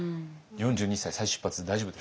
４２歳再出発大丈夫ですか？